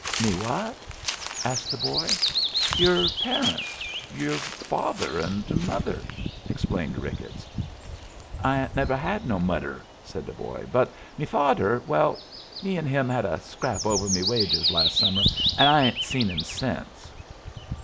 "Me what?" asked the boy. "Your parents your father and mother?" explained Ricketts. "I ain't never had no mudder," said the boy. "But me fadder well, me an' him had a scrap over me wages las' summer, and I ain't seen him since."